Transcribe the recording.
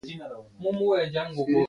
د خير غوښتنې لاره ښې دعاوې وشي.